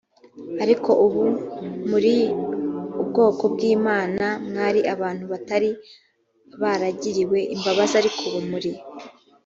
ariko ubu muri ubwoko bw imana mwari abantu batari baragiriwe imbabazi ariko ubu muri